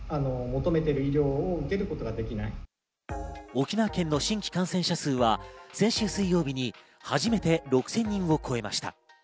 沖縄県の新規感染者数は先週水曜日に初めて６０００人を超えました。